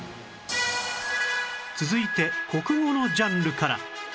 続いて国語のジャンルから